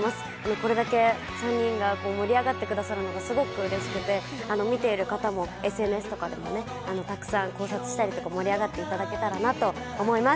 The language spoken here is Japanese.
これだけ３人が盛り上がってくださるのがすごくうれしくて見ている方もＳＮＳとかでもたくさん考察したり盛り上がっていただけたらなと思います。